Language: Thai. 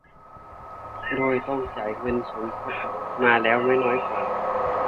โดยต้องจ่ายเงินสมทบมาแล้วไม่น้อยกว่า